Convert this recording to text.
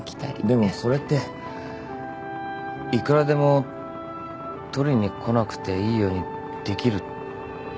でもそれっていくらでも取りに来なくていいようにできるっていうか。